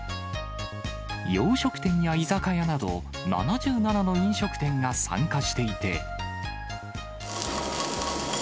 洋食店や居酒屋など、７７の飲食店が参加していて。